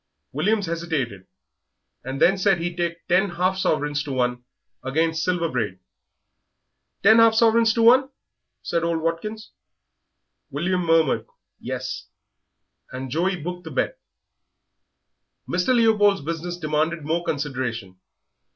William hesitated, and then said he'd take ten half sovereigns to one against Silver Braid. "Ten half sovereigns to one?" said old Watkins. William murmured "Yes," and Joey booked the bet. Mr. Leopold's business demanded more consideration.